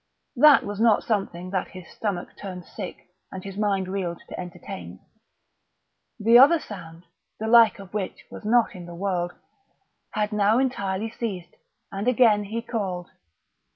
That was not something that his stomach turned sick and his mind reeled to entertain. That other sound, the like of which was not in the world, had now entirely ceased; and again he called....